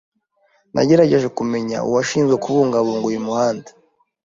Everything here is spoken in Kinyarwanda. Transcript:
Nagerageje kumenya uwashinzwe kubungabunga uyu muhanda.